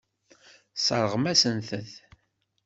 Tesseṛɣemt-asent-t.